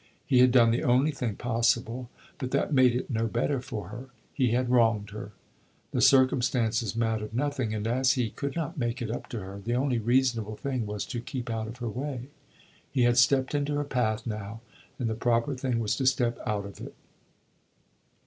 He had done the only thing possible, but that made it no better for her. He had wronged her. The circumstances mattered nothing, and as he could not make it up to her, the only reasonable thing was to keep out of her way. He had stepped into her path now, and the proper thing was to step out of it.